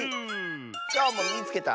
きょうも「みいつけた！」